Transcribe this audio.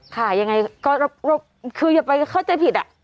ค่ะยังไงก็คืออย่าไปเข้าใจผิดอะ